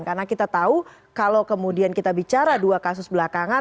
karena kita tahu kalau kemudian kita bicara dua kasus belakangan kan